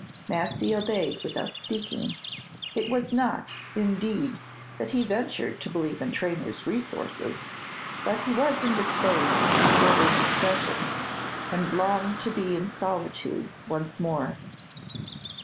Massy obeyed without speaking. It was not, indeed, that he ventured to believe in Traynor's resources, but he was indisposed to further discussion, and longed to be in solitude once more.